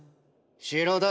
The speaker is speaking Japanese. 城だ。